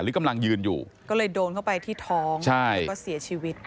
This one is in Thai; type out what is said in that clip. หรือกำลังยืนอยู่ก็เลยโดนเข้าไปที่ท้องใช่หรือว่าเสียชีวิต